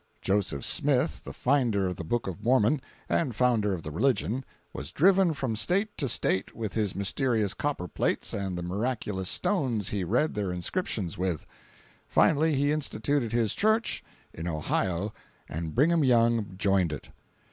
Joseph Smith, the finder of the Book of Mormon and founder of the religion, was driven from State to State with his mysterious copperplates and the miraculous stones he read their inscriptions with. Finally he instituted his "church" in Ohio and Brigham Young joined it.